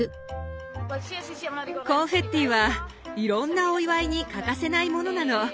コンフェッティはいろんなお祝いに欠かせないものなの。